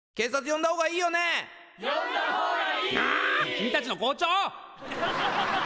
君たちの校長！